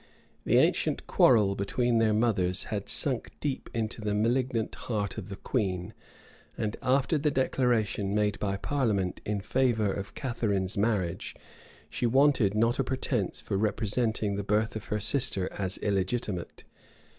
The ancient quarrel between their mothers had sunk deep into the malignant heart of the queen; and after the declaration made by parliament in favor of Catharine's marriage, she wanted not a pretence for representing the birth of her sister as illegitimate.